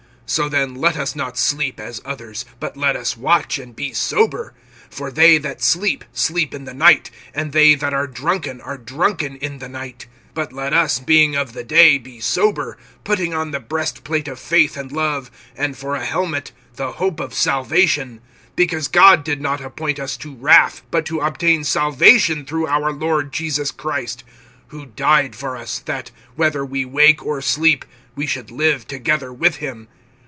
(6)So then let us not sleep, as others; but let us watch and be sober. (7)For they that sleep, sleep in the night; and they that are drunken, are drunken in the night. (8)But let us, being of the day, be sober, putting on the breastplate of faith and love, and for a helmet, the hope of salvation; (9)because God did not appoint us to wrath, but to obtain salvation through our Lord Jesus Christ; (10)who died for us, that, whether we wake or sleep, we should live together with him.